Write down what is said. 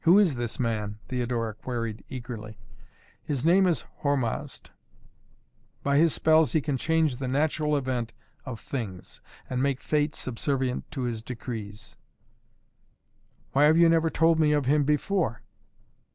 "Who is this man?" Theodora queried eagerly. "His name is Hormazd. By his spells he can change the natural event of things, and make Fate subservient to his decrees." "Why have you never told me of him before?"